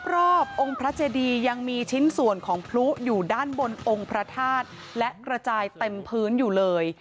รอบองค์พระเจดียังมีชิ้นส่วนของพลุอยู่ด้านบนองค์พระธาตุและกระจายเต็มพื้นอยู่เลย